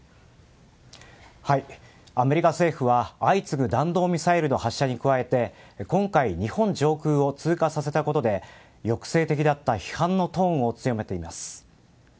アメリカ政府は相次ぐ弾道ミサイルの発射に加えて今回、日本上空を通過させたことで抑制的だった批判のトーンを強めています。